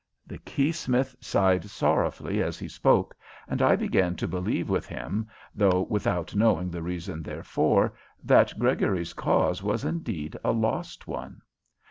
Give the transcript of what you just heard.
The keysmith sighed sorrowfully as he spoke, and I began to believe with him, though without knowing the reason therefor, that Gregory's cause was indeed a lost one.